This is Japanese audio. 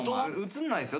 映んないですよ